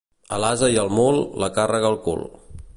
A l'ase i al mul, la càrrega al cul.